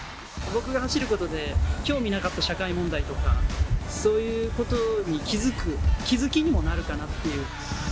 僕が走ることで、興味なかった社会問題とか、そういうことに気付く、気付きにもなるかなっていう。